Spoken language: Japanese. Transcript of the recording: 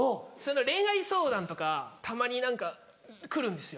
恋愛相談とかたまに何か来るんですよ。